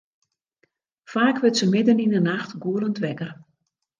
Faak wurdt se midden yn 'e nacht gûlend wekker.